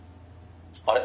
「あれ？